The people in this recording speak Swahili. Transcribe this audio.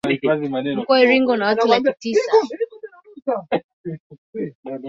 mkoa wa iringa una watu laki tisa